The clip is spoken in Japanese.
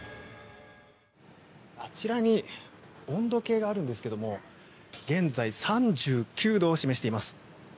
あちらに温度計がありますが現在３９度を示しています。